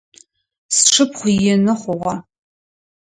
Сшыпхъу ины хъугъэ.